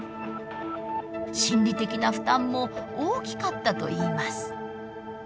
心理的な負担も大きかったといいます。